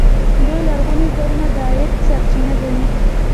دوی لرغوني ځایونه د عاید سرچینه ګڼي.